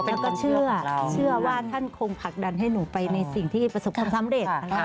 แล้วก็เชื่อว่าท่านคงผลักดันให้หนูไปในสิ่งที่ประสบความสำเร็จนะคะ